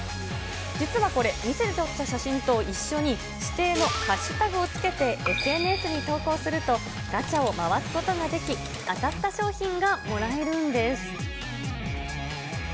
実はこれ、店で撮った写真と一緒に、指定のハッシュタグをつけてＳＮＳに投稿すると、ガチャを回すことができ、当たった商品がもらえるんです。